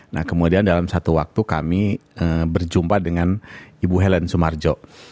nah kemudian dalam satu waktu kami berjumpa dengan ibu helen sumarjo